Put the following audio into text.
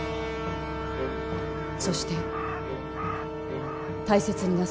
そして、大切になさいませ。